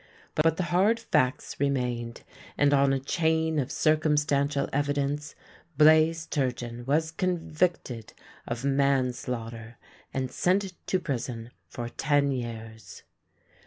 But the hard facts remained, and on a chain of circum stantial evidence Blaze Turgeon was convicted of manslaughter and sent to prison for ten years.